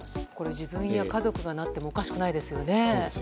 自分や家族がなってもおかしくないですよね。